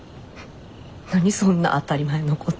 何そんな当たり前のこと。